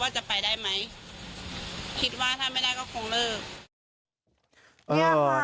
ว่าจะไปได้ไหมคิดว่าถ้าไม่ได้ก็คงเลิก